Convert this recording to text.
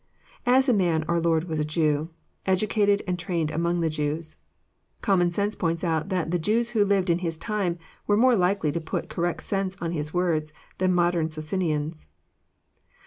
As a mao, our Lord was a Jew, educated and trained among Jews. Common sense points out that the Jews who lived in His time were more likely to put correct sense on His words than modern Socinians.